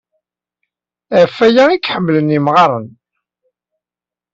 Ɣef waya ay k-ḥemmlen yemɣaren.